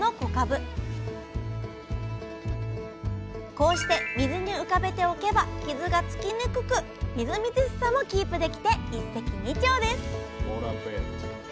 こうして水に浮かべておけば傷がつきにくくみずみずしさもキープできて一石二鳥です